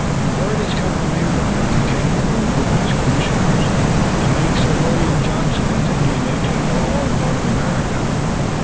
Word has come from England that the King will remove his commissioners, and make Sir William Johnson his Indian agent for all North America."